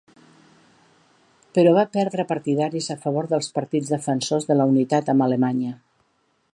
Però va perdre partidaris a favor dels partits defensors de la unitat amb Alemanya.